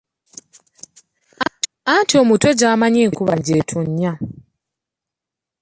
Anti omuto gyamanyi enkuba gy'ettonya.